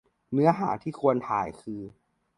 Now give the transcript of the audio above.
เนื้อหาที่ควรถ่ายคือ